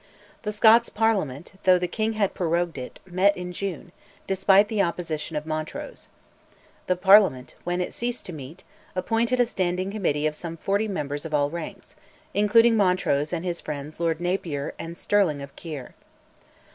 The Scots Parliament, though the king had prorogued it, met in June, despite the opposition of Montrose. The Parliament, when it ceased to meet, appointed a Standing Committee of some forty members of all ranks, including Montrose and his friends Lord Napier and Stirling of Keir.